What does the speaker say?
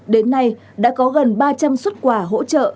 đến nay đã có gần ba trăm linh xuất quà hỗ trợ